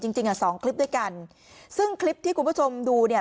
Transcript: จริงจริงอ่ะสองคลิปด้วยกันซึ่งคลิปที่คุณผู้ชมดูเนี่ย